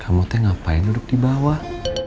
kamu teh ngapain duduk di bawah